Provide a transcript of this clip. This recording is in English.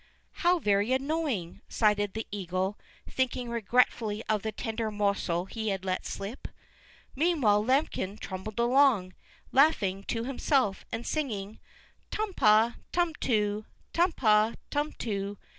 "How very annoying!" sighed the eagle, thinking regretfully of the tender morsel he had let slip. Meanwhile Lambikin trundled along, laughing to himself, and singing: "Tum pa, tum too; Tum pa, tum too!"